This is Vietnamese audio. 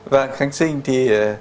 và kháng sinh thì